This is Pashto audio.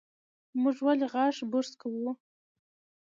موږ ولې غاښونه برس کوو؟